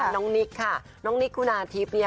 น้องนิกคลูนาทิป